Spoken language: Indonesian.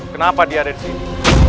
kenapa dia ada di sini